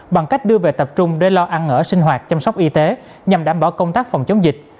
bằng cách đưa về tập trung để lo ăn ở sinh hoạt chăm sóc y tế nhằm đảm bảo công tác phòng chống dịch